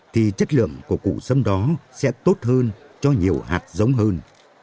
thì chất lượng của củ sâm đó sẽ tốt hơn cho nhiều hạt giống hơn